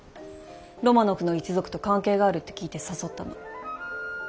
ロマノフの一族と関係があるって聞いて誘ったの。